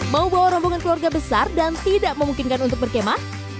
mau bawa rombongan keluarga besar dan tidak memungkinkan untuk berkemah